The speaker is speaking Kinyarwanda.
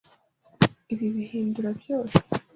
Ibi bihindura byose.